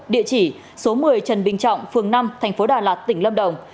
địa chỉ số một mươi trần bình trọng phường năm tp đà lạt tỉnh lâm đồng